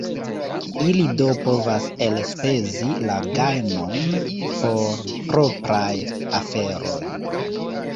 Ili do povas elspezi la gajnon por propraj aferoj.